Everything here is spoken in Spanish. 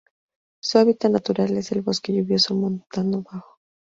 Su hábitat natural es el bosque lluvioso montano bajo.